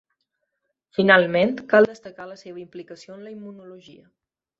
Finalment, cal destacar la seva implicació en la immunologia.